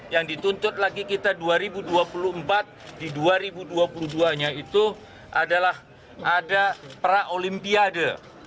yang dituntut lagi kita dua ribu dua puluh empat di dua ribu dua puluh dua nya itu adalah ada praolimpiade